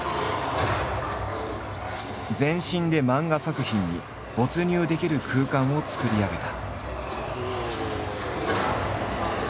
全身で漫画作品に没入できる空間を作り上げた。